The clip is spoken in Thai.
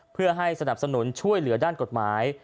เพื่อให้สนับสนุนช่วยเหลือด้านกฎหมาย